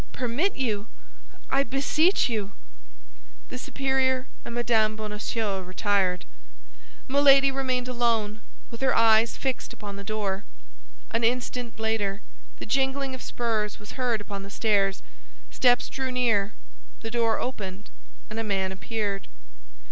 "Permit you? I beseech you." The superior and Mme. Bonacieux retired. Milady remained alone, with her eyes fixed upon the door. An instant later, the jingling of spurs was heard upon the stairs, steps drew near, the door opened, and a man appeared.